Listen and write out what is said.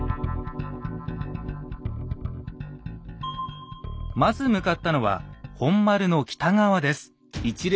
まず向かったのは本丸の北側です。